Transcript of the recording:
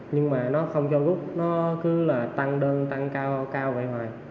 nhưng mà nó không cho gúc nó cứ là tăng đơn tăng cao cao vậy ngoài